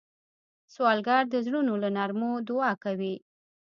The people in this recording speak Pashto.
سوالګر د زړونو له نرمو دعا کوي